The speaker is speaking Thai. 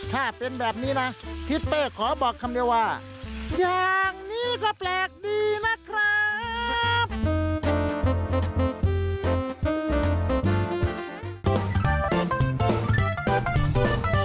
ถ้าเป็นแบบนี้นะทิศเป้ขอบอกคำเดียวว่าอย่างนี้ก็แปลกดีนะครับ